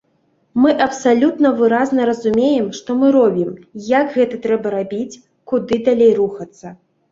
Мы абсалютна выразна разумеем, што мы робім, як гэта трэба рабіць, куды далей рухацца.